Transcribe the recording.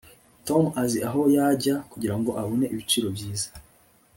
tom azi aho yajya kugirango abone ibiciro byiza